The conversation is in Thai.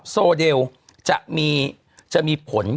๑๖๑๙โซเดลจะมีผล